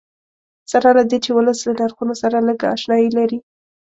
سره له دې چې ولس له نرخونو سره لږ اشنایي لري.